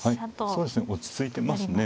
そうですね落ち着いてますね。